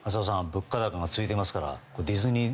物価高が続いていますからディズニー